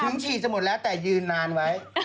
ฉีดจะหมดแล้วแต่ยืนนานไว้